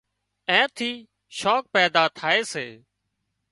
اين ٿي شوق پيدا ٿائي سي